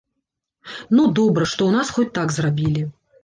Ну, добра, што ў нас хоць так зрабілі.